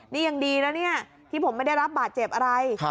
นี่ยังดีนะเนี่ยที่ผมไม่ได้รับบาดเจ็บอะไร